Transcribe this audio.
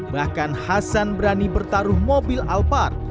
bahkan hasan berani bertaruh mobil alphard